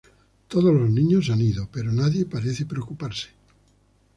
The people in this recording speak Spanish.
Todos los niños se han ido, pero nadie parece preocuparse.